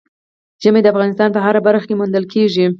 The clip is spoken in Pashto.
ژمی د افغانستان په هره برخه کې موندل کېږي.